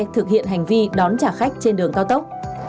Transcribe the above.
phạt tiền hành vi đón trả khách trên đường cao tốc